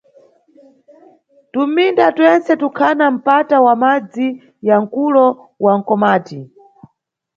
Tuminda twentse tukhana mpata wa madzi ya mkulo wa Mkomati.